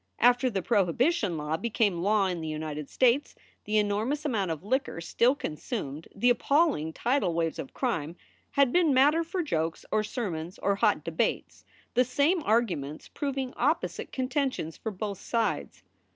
After the prohibition law became law in the United States the enormous amount of liquor still consumed, the appalling tidal waves of crime, had been matter for jokes or sermons or hot debates, the same arguments proving opposite con tentions for both sides.